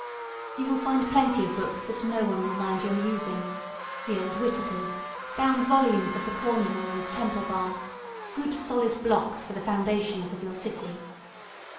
You will find plenty of books that nobody will mind your using the old Whitakers, bound volumes of the Cornhill and Temple Bar good solid blocks for the foundations of your city.